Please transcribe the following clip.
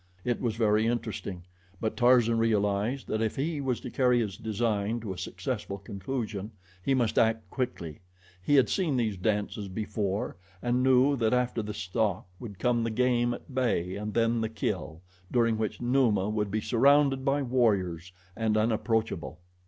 It was very interesting; but Tarzan realized that if he was to carry his design to a successful conclusion he must act quickly. He had seen these dances before and knew that after the stalk would come the game at bay and then the kill, during which Numa would be surrounded by warriors, and unapproachable.